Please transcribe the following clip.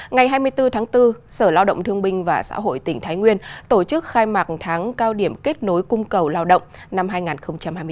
ngày hai mươi bốn tháng bốn sở lao động thương binh và xã hội tỉnh thái nguyên tổ chức khai mạc tháng cao điểm kết nối cung cầu lao động năm hai nghìn hai mươi bốn